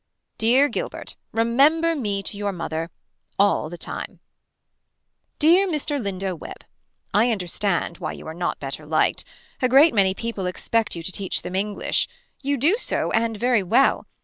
Dear Gilbert. Remember me to your mother. All the time. Dear Mr. Lindo Webb. I understand why you are not better liked. A great many people expect you to teach them English. You do so and very well.